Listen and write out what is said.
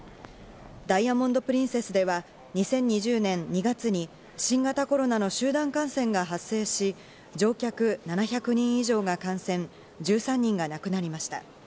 ダイヤモンド・プリンセスでは、２０２０年２月に新型コロナの集団感染が発生し、乗客７００人以上が感染、１３人が亡くなりました。